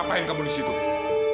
sekarang kita harus pergi